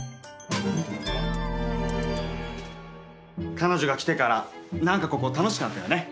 彼女が来てから何かここ楽しくなったよね。